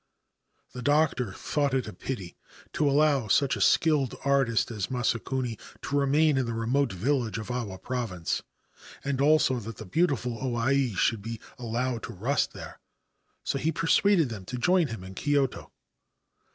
The doctor thought it a pity to allow such a skilled artist as Masakuni to remain in this remote village of Awa Province, and also that the beautiful O Ai should be allowed to rust there : so he persuaded them to join him in Kyoto.